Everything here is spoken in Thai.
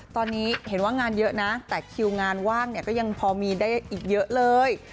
ตอนนี้เห็นว่างานเยอะนะแต่คิวงานว่างเนี่ยก็ยังพอมีได้อีกเยอะเลย